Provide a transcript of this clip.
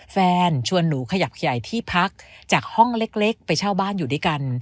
แฟนชวนหนูขยับใหญ่ที่พักจากห้องเล็กไปเช่าบ้านอยู่ด้วยกัน